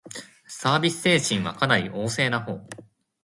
サービス精神はかなり旺盛なほう